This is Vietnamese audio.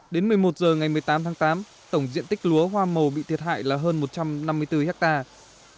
đến một mươi một giờ ngày một mươi tám tháng tám tổng diện tích lúa hoa màu bị thiệt hại là hơn một trăm năm mươi bốn hectare